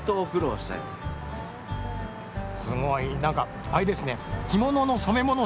すごいなんかあれですね